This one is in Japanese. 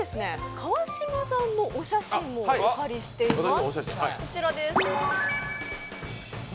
川島さんのお写真もお借りしています。